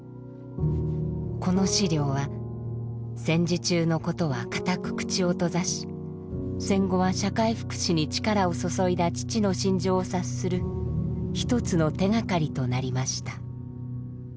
この資料は戦時中のことは堅く口を閉ざし戦後は社会福祉に力を注いだ父の心情を察する一つの手がかりとなりました。